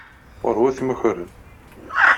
Ɣurwat imakaren.